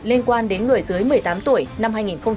liên quan đến người dưới một mươi tám tuổi năm hai nghìn hai mươi ba